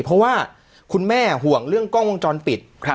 เพราะว่าคุณแม่ห่วงเรื่องกล้องวงจรปิด